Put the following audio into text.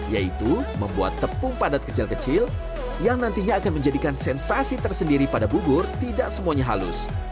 yaitu membuat tepung padat kecil kecil yang nantinya akan menjadikan sensasi tersendiri pada bubur tidak semuanya halus